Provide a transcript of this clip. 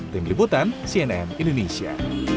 tim liputan cnn indonesia